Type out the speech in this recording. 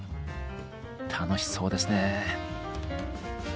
楽しそうですね。